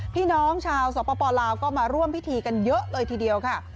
พี่น้องชาวสปลาวก็มาร่วมพิธีกันเยอะเลยทีเดียวค่ะ